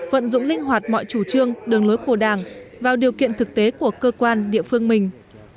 vận dụng linh hoạt mọi chủ trương đường lối của đảng vào điều kiện thực tế của cơ quan địa phương mình